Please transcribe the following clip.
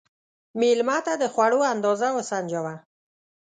مېلمه ته د خوړو اندازه وسنجوه.